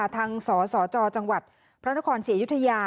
ทางสสจจังหวัดพระนครศรีอยุธยา